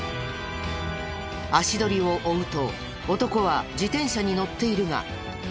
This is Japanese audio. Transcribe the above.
足取りを追うと男は自転車に乗っているが。